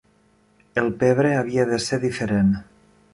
El pebre havia de ser diferent.